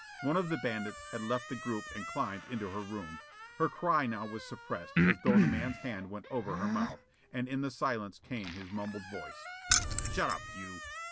One of the bandits had left the group and climbed into her room. Her cry now was suppressed, as though the man's hand went over her mouth. And in the silence came his mumbled voice: "Shut up, you!"